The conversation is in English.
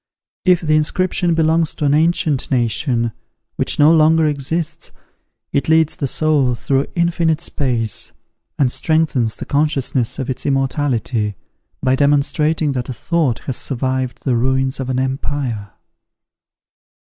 If the inscription belongs to an ancient nation, which no longer exists, it leads the soul through infinite space, and strengthens the consciousness of its immortality, by demonstrating that a thought has survived the ruins of an empire.